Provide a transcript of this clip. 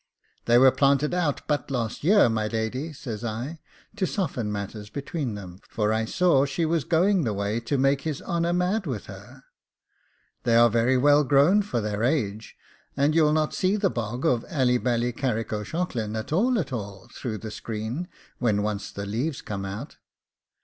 'They were planted out but last year, my lady,' says I, to soften matters between them, for I saw she was going the way to make his honour mad with her: 'they are very well grown for their age, and you'll not see the bog of Allyballycarrick o'shaughlin at all at all through the skreen, when once the leaves come out.